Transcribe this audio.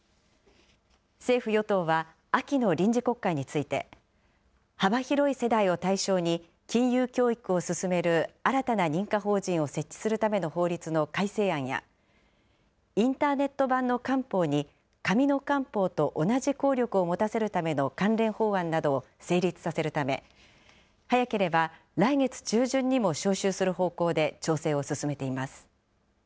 政府・与党は秋の臨時国会について、幅広い世代を対象に金融教育を進める新たな認可法人を設置するための法律の改正案や、インターネット版の官報に、紙の官報と同じ効力を持たせるための関連法案などを成立させるため、早ければ来月中旬にも召集する方向で調整を進めています。